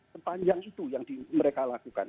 sepanjang itu yang mereka lakukan